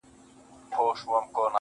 په مخه دي د اور ګلونه.